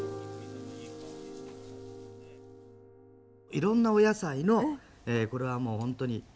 いろんなお野菜のこれはもうほんとに炒めです。